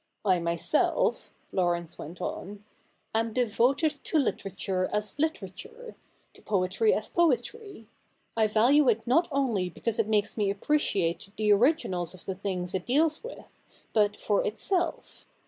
I myself,' Laurence went on, • am devoted to literature as literature, to poetry as poetry. I value it not only because it makes me appreciate the originals of the things it deals with, but for itself.